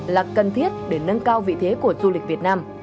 là cần thiết để nâng cao vị thế của du lịch việt nam